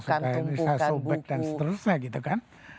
kertas kertas yang suka yang bisa sobek dan seterusnya gitu kan